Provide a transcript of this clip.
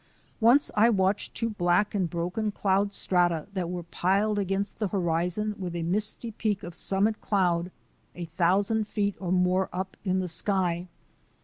Once I watched two black and broken cloud strata that were piled against the horizon with a misty peak of summit cloud a thousand feet or more up in the sky.